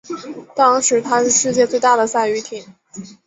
当时她是世界最大的赛渔艇。